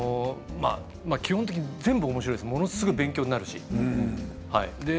基本的に全部おもしろいです、ものすごく勉強になるし。